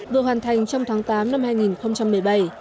vừa hoàn thành trong tháng tám năm hai nghìn một mươi bảy